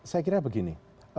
saya kira begini